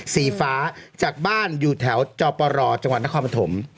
สีฟ้าจากบ้านอยู่แถวจอปรจังหวัดนครปฐม